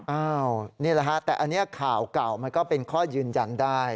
นี่แหละฮะแต่อันนี้ข่าวเก่ามันก็เป็นข้อยืนยันได้